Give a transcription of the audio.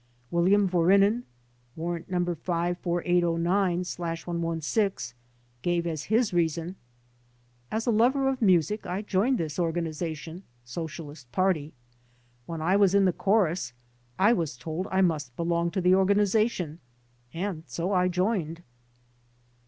William Vorinin (Warrant No. 54809/116) gave as his reason : "As a lover of music I joined this organization (Socialist Party) ; when I was in the chorus I was told I must belong to the organization and so I joined.